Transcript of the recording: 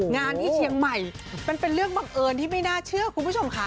งานที่เชียงใหม่มันเป็นเรื่องบังเอิญที่ไม่น่าเชื่อคุณผู้ชมค่ะ